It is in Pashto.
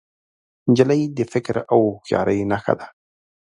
نجلۍ د فکر او هوښیارۍ نښه ده.